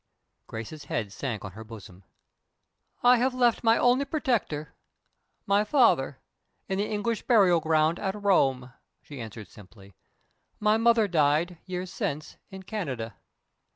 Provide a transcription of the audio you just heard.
Grace's head sank on her bosom. "I have left my only protector my father in the English burial ground at Rome," she answered simply. "My mother died, years since, in Canada."